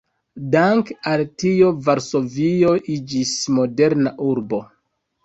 Danke al tio Varsovio iĝis moderna urbo.